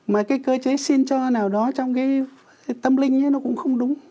mà cái cơ chế xin cho nào đó trong cái tâm linh ấy nó cũng không đúng